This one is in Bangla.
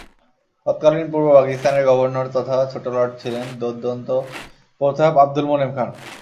তৎকালীন পূর্ব পাকিস্তানের গভর্নর তথা ছোটলাট ছিলেন দোর্দণ্ডপ্রতাপ আবদুল মোনেম খান।